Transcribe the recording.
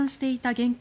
現金